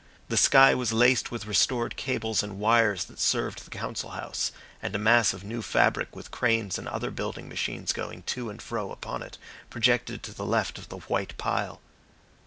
The sky was laced with restored cables and wires that served the Council House, and a mass of new fabric with cranes and other building machines going to and fro upon it projected to the left of the white pile.